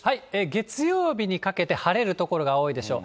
月曜日にかけて晴れる所が多いでしょう。